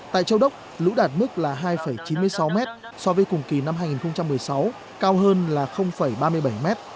tại châu đốc lũ đạt mức là hai chín mươi sáu m so với cùng kỳ năm hai nghìn một mươi sáu cao hơn là ba mươi bảy m